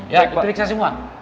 ya periksa semua